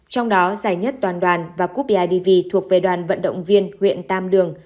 trong đó giải nhất toàn đoàn và cúp bidv thuộc về đoàn vận động viên huyện tam đường